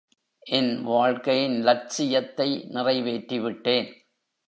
என் வாழ்க்கையின் லட்சியத்தை நிறைவேற்றி விட்டேன்.